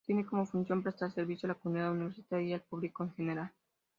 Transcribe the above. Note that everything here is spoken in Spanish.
Tiene como función prestar servicio a la comunidad universitaria y al público en general.